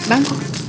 gerah ya bangkok